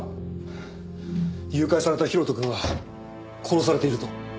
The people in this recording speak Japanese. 誘拐された広斗くんは殺されていると。